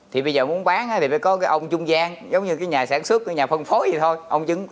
thì bây giờ muốn bán thì phải có cái ông trung gian giống như cái nhà sản xuất của nhà phân phối thì thôi ông chứng